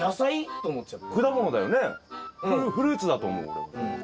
フルーツだと思う俺も。